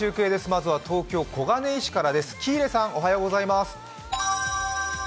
まずは東京・小金井市からです。